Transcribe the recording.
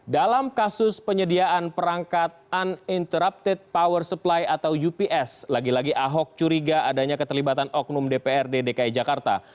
dalam kasus penyediaan perangkat uninterrupted power supply atau ups lagi lagi ahok curiga adanya keterlibatan oknum dprd dki jakarta